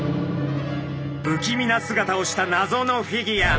不気味な姿をしたなぞのフィギュア。